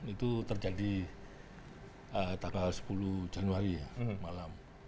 itu terjadi tanggal sepuluh januari ya malam